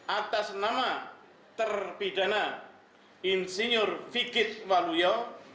atas nama terpidana insinyur fikit waluyo